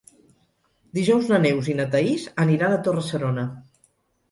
Dijous na Neus i na Thaís aniran a Torre-serona.